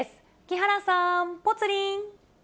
木原さん、ぽつリン。